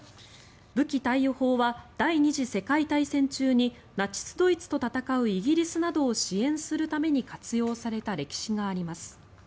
武器貸与法は第２次世界大戦中にナチス・ドイツと戦うイギリスなどを支援するために活用された歴史があります。